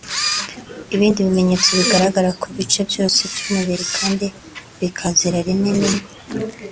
Ibindi bimenyetso bigaragara ku bice byose by’umubiri kandi bikazira rimwe ni